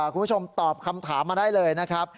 คุณผู้ชมตอบคำถามมาได้เลยนะครับ